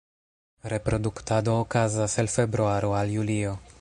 Reproduktado okazas el februaro al julio.